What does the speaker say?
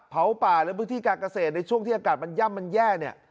เผาป่าและพื้นที่การเกษตรในช่วงที่อากาศมันย่ำมันแย่เนี่ย